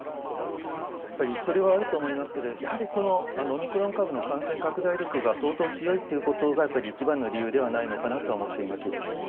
やっぱりそれはあると思いますけれども、やはりこのオミクロン株の感染拡大力が相当強いっていうことがやっぱり一番の理由ではないのかなと思っています。